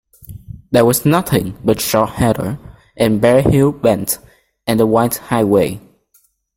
There was nothing but short heather, and bare hill bent, and the white highway.